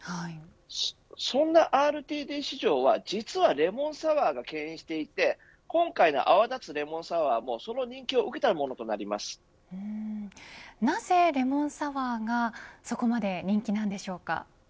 そんなＲＴＤ市場は実はレモンサワ―がけん引していて今回の泡立つレモンサワ―もその人気をなぜレモンサワ―がそこまで人気なんでしょうか。